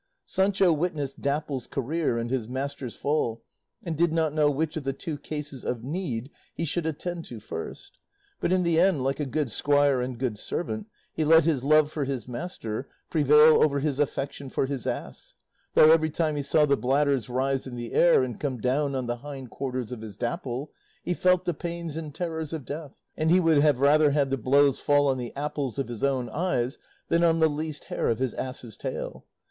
Sancho witnessed Dapple's career and his master's fall, and did not know which of the two cases of need he should attend to first; but in the end, like a good squire and good servant, he let his love for his master prevail over his affection for his ass; though every time he saw the bladders rise in the air and come down on the hind quarters of his Dapple he felt the pains and terrors of death, and he would have rather had the blows fall on the apples of his own eyes than on the least hair of his ass's tail.